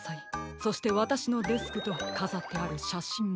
そしてわたしのデスクとかざってあるしゃしんも。